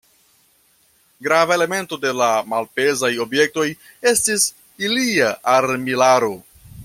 Grava elemento de la malpezaj objektoj estis ilia armilaro.